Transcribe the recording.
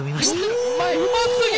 うますぎ！